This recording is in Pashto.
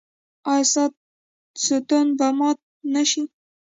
ایا ستاسو تنده به ماته نه شي؟